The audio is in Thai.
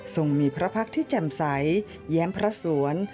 ส่งมีพระพักษ์ที่แจ่มใสแย้มพระสวน